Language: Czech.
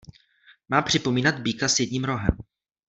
Má připomínat býka s jedním rohem.